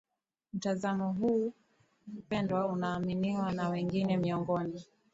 mtazamo huu pendwa unaoaminiwa na wengi miongoni